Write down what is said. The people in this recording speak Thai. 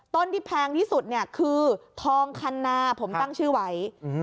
ต้นที่แพงที่สุดเนี่ยคือทองคันนาผมตั้งชื่อไว้